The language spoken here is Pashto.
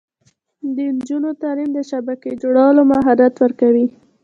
د نجونو تعلیم د شبکې جوړولو مهارت ورکوي.